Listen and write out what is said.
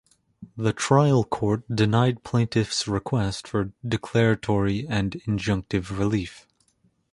The trial court denied plaintiffs' request for declaratory and injunctive relief.